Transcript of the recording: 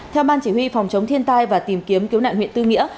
theo ban chỉ huy phòng chống thiên tai và tìm kiếm cứu nạn huyện tư nghĩa